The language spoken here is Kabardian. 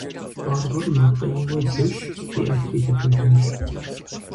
Къуаргъыр макъейуэ джэщ, зиӀэтри лъэтэжащ.